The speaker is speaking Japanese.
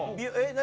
何？